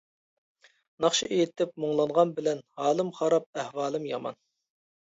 ناخشا ئېيتىپ مۇڭلانغان بىلەن، ھالىم خاراب، ئەھۋالىم يامان.